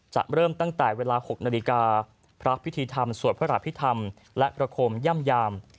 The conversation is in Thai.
เริ่มตั้งแต่เวลา๖นาฬิกาพระพิธีธรรมสวดพระอภิษฐรรมและประคมย่ำยาม